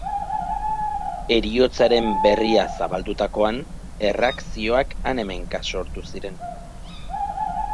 Heriotzaren berria zabaldutakoan, erreakzioak han-hemenka sortu ziren.